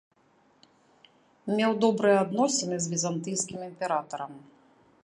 Меў добрыя адносіны з візантыйскім імператарам.